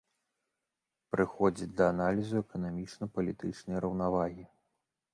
Прыходзяць да аналізу эканамічна-палітычнай раўнавагі.